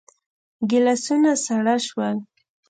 ګيلاسونه ساړه شول.